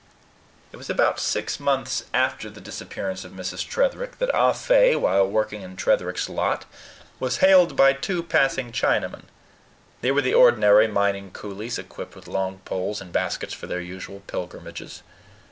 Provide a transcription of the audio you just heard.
It was about six months after the disappearance of Mrs. Tretherick that Ah Fe, while working in Tretherick's lot, was hailed by two passing Chinamen. They were the ordinary mining coolies, equipped with long poles and baskets for their usual pilgrimages.